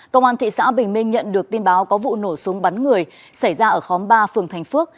công an thị xã bình minh nhận được tin báo có vụ nổ súng bắn người xảy ra ở khóm ba phường thành phước